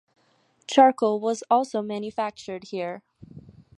Charcoal was also manufactured here.